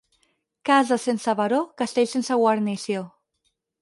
Casa sense baró, castell sense guarnició.